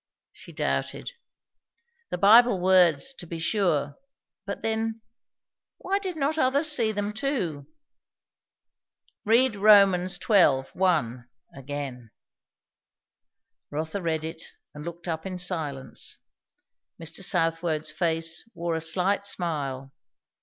She doubted. The Bible words, to be sure, but then, why did not others see them too? "Read Rom. xii. 1, again." Rotha read it, and looked up in silence. Mr. Southwode's face wore a slight smile.